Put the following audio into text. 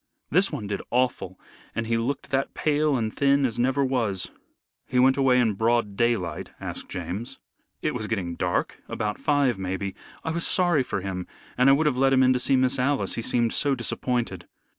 "This one did awful, and he looked that pale and thin as never was." "He went away in broad daylight?" asked James. "It was getting dark about five maybe. I was sorry for him, and I would have let him in to see Miss Alice, he seemed so disappointed."